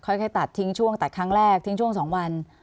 ค่อยตัดทิ้งช่วงตัดครั้งแรกทิ้งช่วง๒วัน